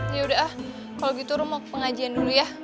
yaudah ah kalau gitu romo ke pengajian dulu ya